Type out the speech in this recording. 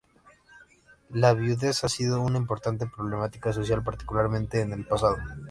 La viudez ha sido una importante problemática social, particularmente en el pasado.